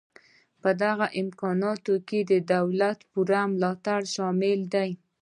په دغه امکاناتو کې د دولت پوره ملاتړ شامل دی